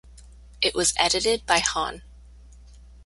It was edited by Hon.